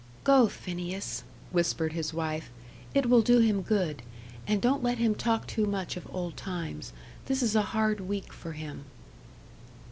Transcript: "Go, Phineas," whispered his wife "it will do him good. And don't let him talk too much of old times. This is a hard week for him."